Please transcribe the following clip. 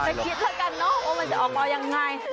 อันนี้มันจะออกมาอย่างไง